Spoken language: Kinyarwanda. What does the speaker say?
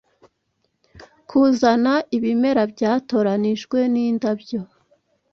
Kuzana ibimera byatoranijwe nindabyo